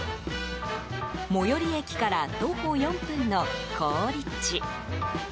最寄り駅から徒歩４分の好立地。